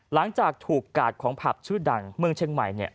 หลังจากถูกกาดของผับชื่อดังเมืองเชียงใหม่เนี่ย